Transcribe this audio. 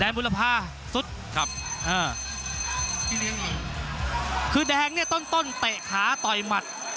แดนบุรพาสุดครับอ่าคือแดงเนี่ยต้นเตะขาต่อยมัด